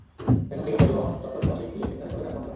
সেখান থেকে পরিবহন চত্বরের পাশে একটি লেকের ধারে চলে যান বন্ধুরা।